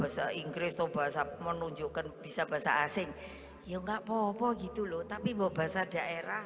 bahasa inggris atau bahasa menunjukkan bisa bahasa asing ya nggak popo gitu loh tapi bahasa daerah